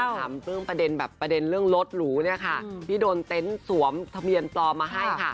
ถามเรื่องประเด็นแบบประเด็นเรื่องรถหรูเนี่ยค่ะที่โดนเต็นต์สวมทะเบียนปลอมมาให้ค่ะ